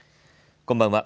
こんばんは。